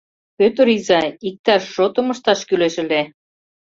Пӧтыр изай, иктаж шотым ышташ кӱлеш ыле.